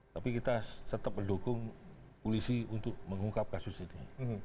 tapi kita tetap mendukung polisi untuk mengungkap kasus ini